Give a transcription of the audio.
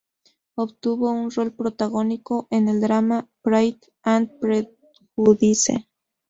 Obtuvo un rol protagónico en el drama "Pride and Prejudice".